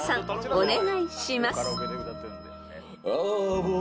［お願いします］